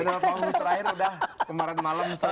jadwal panggung terakhir udah kemarin malam selesai